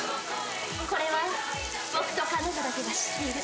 これは僕と彼女だけが知っている。